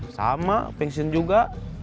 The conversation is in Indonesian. sama pensiun juga